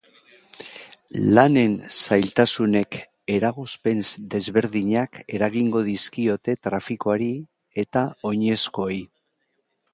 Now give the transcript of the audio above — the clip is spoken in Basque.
Lanen zailtasunek eragozpen desberdinak eragingo dizkiote trafikoari eta oinezkoei.